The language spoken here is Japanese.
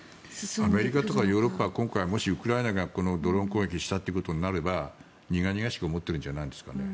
アメリカとかヨーロッパは今回、もしウクライナがこのドローン攻撃をしたとなれば苦々しく思ってるんじゃないですかね。